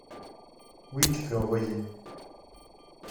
Oui tu peux envoyer.